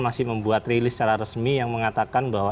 masih membuat rilis secara resmi yang mengatakan bahwa